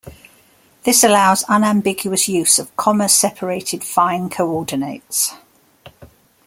This allows unambiguous use of comma-separated fine coordinates.